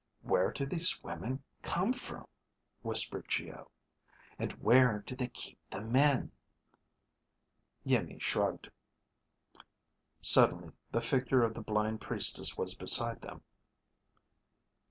"Where do these women come from?" whispered Geo. "And where do they keep the men?" Iimmi shrugged. Suddenly, the figure of the blind Priestess was beside them.